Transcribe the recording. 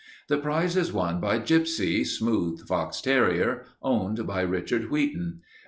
This prize is won by Gypsie, smooth fox terrier, owned by Richard Wheaton.